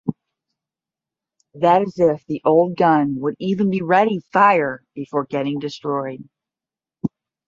That is if the old gun would even be ready fire before getting destroyed.